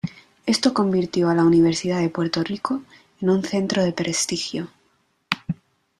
Esto convirtió a la Universidad de Puerto Rico en un centro de prestigio.